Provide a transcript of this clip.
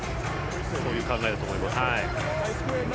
そういう考えだと思います。